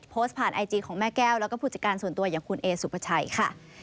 โพสต์ผ่านไอจีของแม่แก้วแล้วก็ผู้จัดการส่วนตัวอย่างคุณเอสุภาชัยค่ะ